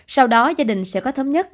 sau đó gia đình sẽ có thống nhất